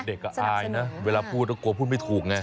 เด็กก็อายนะเวลาพูดก็กลัวพูดไม่ถูกไง